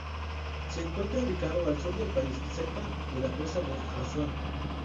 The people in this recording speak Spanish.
Se encuentra ubicado al sur del país, cerca de la presa de Asuán.